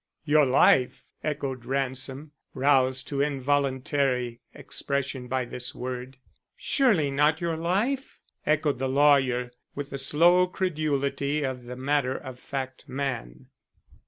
"Your life?" echoed Ransom, roused to involuntary expression by this word. "Surely not your life," echoed the lawyer, with the slow credulity of the matter of fact man.